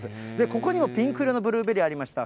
ここにもピンク色のブルーベリーありました。